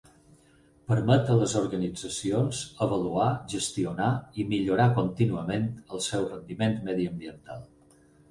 Permet a les organitzacions avaluar, gestionar i millorar contínuament el seu rendiment mediambiental.